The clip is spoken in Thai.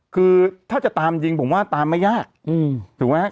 คือถ้าจะตามยิงผมว่าตามไม่ยากถูกไหมครับ